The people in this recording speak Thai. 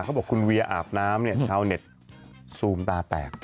เขาบอกคุณเวียอาบน้ำเนี่ยชาวเน็ตซูมตาแตก